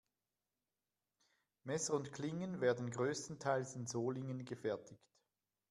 Messer und Klingen werden größtenteils in Solingen gefertigt.